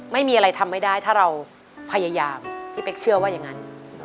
ไม่มีอะไรทำไม่ได้ถ้าเราพยายามพี่เป๊กเชื่อว่าอย่างนั้น